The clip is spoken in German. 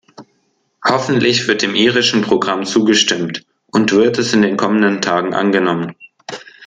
Hoffentlich wird dem irischen Programm zugestimmt und wird es in den kommenden Tagen angenommen.